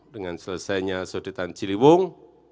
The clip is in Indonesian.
dengan selesainya sodetan ciriwung